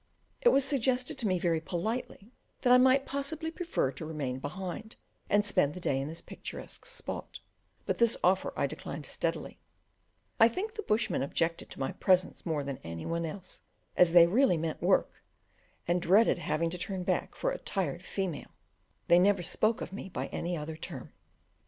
It was suggested to me very politely that I might possibly prefer to remain behind and spend the day in this picturesque spot, but this offer I declined steadily; I think the bushmen objected to my presence more than any one else, as they really meant work, and dreaded having to turn back for a tired "female" (they never spoke of me by any other term).